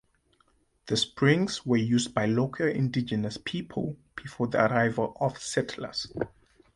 The springs were used by local indigenous people before the arrival of settlers.